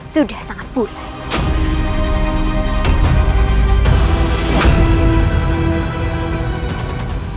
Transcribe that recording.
sudah sangat buruk